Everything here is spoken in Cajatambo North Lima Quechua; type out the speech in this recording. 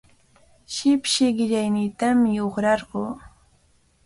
Shipshi qillayniitami uqrarquu.